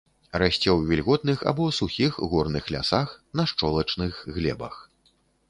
Расце ў вільготных або сухіх горных лясах, на шчолачных глебах.